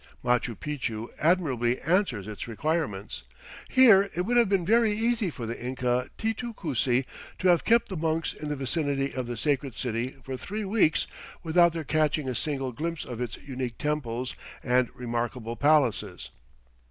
Machu Picchu admirably answers its requirements. Here it would have been very easy for the Inca Titu Cusi to have kept the monks in the vicinity of the Sacred City for three weeks without their catching a single glimpse of its unique temples and remarkable palaces.